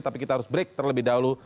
tapi kita harus break terlebih dahulu